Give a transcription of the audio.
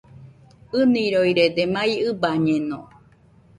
ɨniroirede, mai ɨbañeno